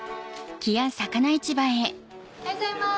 おはようございます。